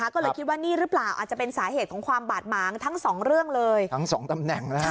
ก็เลยคิดว่านี่หรือเปล่าอาจจะเป็นสาเหตุของความบาดหมางทั้งสองเรื่องเลยทั้งสองตำแหน่ง